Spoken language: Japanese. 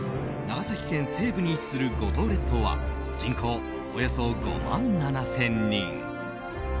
長崎県西部に位置する五島列島は人口およそ５万７０００人。